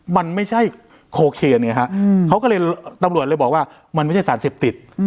มันไม่ใช่โคเคนไงฮะเขาก็เลยตำรวจเลยบอกว่ามันไม่ใช่สารเสพติด